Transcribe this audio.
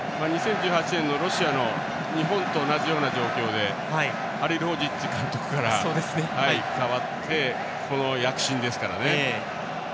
２０１８年のロシアの日本と同じような状況でハリルホジッチ監督から代わってこの躍進ですからね。